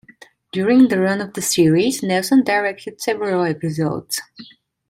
During the run of the series, Nelson directed several episodes.